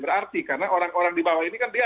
berarti karena orang orang di bawah ini kan dia